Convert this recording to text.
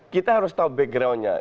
kita harus tahu backgroundnya